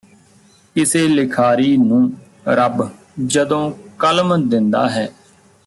ਕਿਸੇ ਲਿਖਾਰੀ ਨੂੰ ਰੱਬ ਜਦੋਂ ਕਲਮ ਦਿੰਦਾ ਹੈ